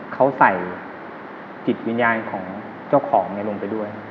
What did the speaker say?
เขาใส่จิตวิญญาณของเจ้าของลงไปด้วย